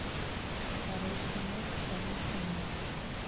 Сара исымоуп, сара исымоуп!